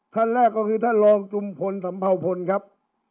ท่านแรกก็คือท่านรองจุมพลสัมเภาพลครับ